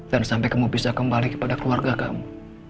dan sampai kamu bisa kembali kepada keluarga kamu